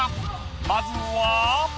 まずは。